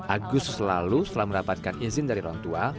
agus selalu setelah merapatkan izin dari orang tua